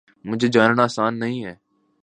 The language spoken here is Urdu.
مجھے جاننا آسان نہیں ہے